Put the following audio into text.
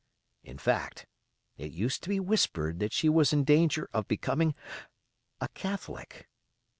In fact, it used to be whispered that she was in danger of becoming a Catholic.